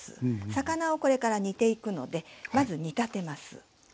魚をこれから煮ていくのでまず煮立てます。